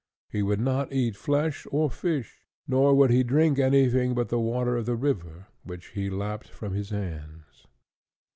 He would not eat flesh or fish; nor would he drink anything but the water of the river, which he lapped from his hands.